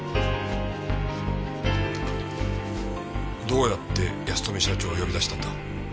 どうやって保富社長を呼び出したんだ？